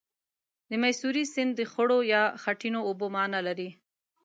د میسوری سیند د خړو یا خټینو اوبو معنا لري.